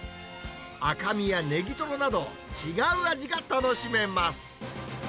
赤身やネギトロなど、違う味が楽しめます。